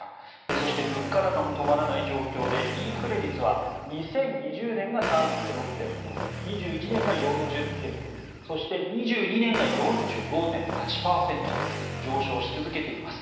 そして物価高も止まらない状況でインフレ率は２０２０年が３６．４％２１年が４０．２％そして２２年が４５．８％と上昇し続けています。